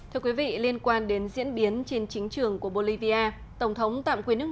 thưa quý vị liên quan đến diễn biến trên chính trường của bolivia tổng thống tạm quyền nước